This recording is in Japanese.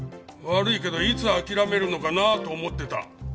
悪いけどいつ諦めるのかなあと思ってた。